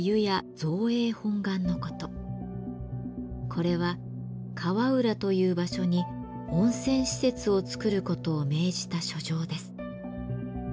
これは「河浦」という場所に温泉施設をつくることを命じた書状です。